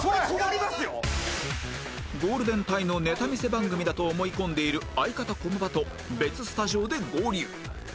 ゴールデン帯のネタ見せ番組だと思い込んでいる相方駒場と別スタジオで合流